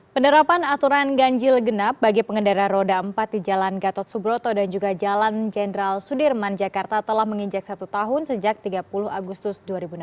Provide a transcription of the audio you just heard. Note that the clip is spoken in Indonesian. penerapan aturan ganjil genap bagi pengendara roda empat di jalan gatot subroto dan juga jalan jenderal sudirman jakarta telah menginjak satu tahun sejak tiga puluh agustus dua ribu enam belas